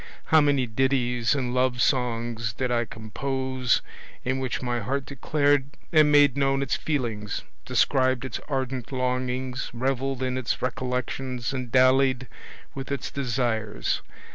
how many ditties and love songs did I compose in which my heart declared and made known its feelings, described its ardent longings, revelled in its recollections and dallied with its desires!